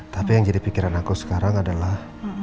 tapi yang jadi pikiran aku sekarang adalah